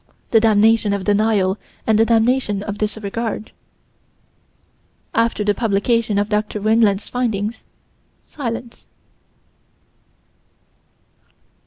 The damnation of denial and the damnation of disregard: After the publication of Dr. Weinland's findings silence.